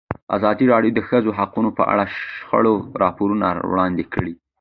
ازادي راډیو د د ښځو حقونه په اړه د شخړو راپورونه وړاندې کړي.